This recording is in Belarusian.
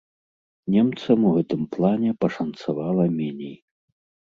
Немцам у гэтым плане пашанцавала меней.